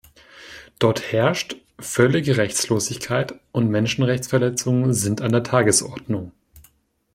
Dort herrscht völlige Rechtlosigkeit, und Menschenrechtsverletzungen sind an der Tagesordnung.